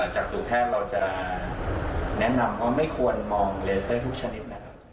จัตรูแพทย์เราจะแนะนำเพราะว่าไม่ควรมองเลเซอร์ทุกชนิด